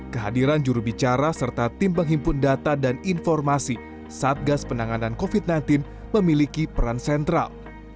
kehadiran jurubicara serta tim penghimpun data dan informasi satgas penanganan covid sembilan belas memiliki peran sentral